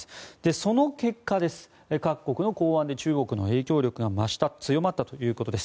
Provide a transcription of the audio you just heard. その結果、各国の港湾で中国の影響が増した強まったということです。